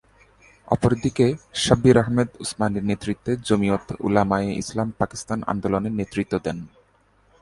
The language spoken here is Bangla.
অপরদিকে শাব্বির আহমদ উসমানির নেতৃত্বে জমিয়ত উলামায়ে ইসলাম পাকিস্তান আন্দোলনে নেতৃত্ব দেন।